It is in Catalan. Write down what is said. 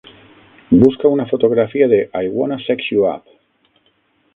Busca una fotografia de I Wanna Sex You Up